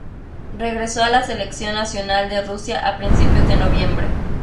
Regresó a la selección nacional de Rusia a principios de noviembre.